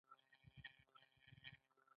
علت او معلول څرخ ځان تقویه کاوه.